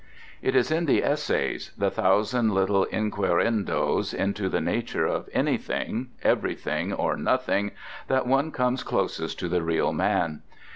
It is in the essays, the thousand little inquirendoes into the nature of anything, everything or nothing, that one comes closest to the real man.